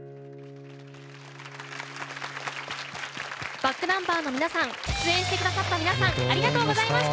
ｂａｃｋｎｕｍｂｅｒの皆さん出演してくださった皆さんありがとうございました。